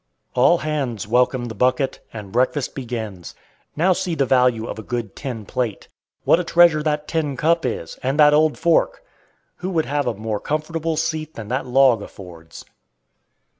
All hands welcome the bucket, and breakfast begins. Now see the value of a good tin plate. What a treasure that tin cup is, and that old fork! Who would have a more comfortable seat than that log affords!